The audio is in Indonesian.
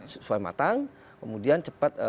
sesuai matang kemudian cepat